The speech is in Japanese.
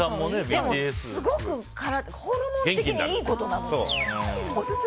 でもすごくホルモン的にいいことなの。